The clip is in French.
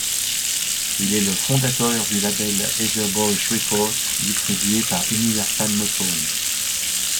Il est le fondateur du label Ether Boy Records, distribué par Universal Motown.